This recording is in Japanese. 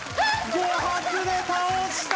５発で倒した！